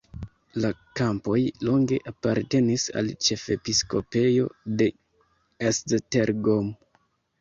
La kampoj longe apartenis al ĉefepiskopejo de Esztergom.